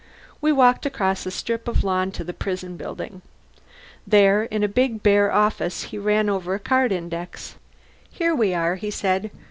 We walked across a strip of lawn to the prison building. There, in a big bare office, he ran over a card index. "Here we are," he said.